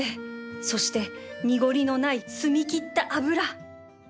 そして濁りのない澄み切った油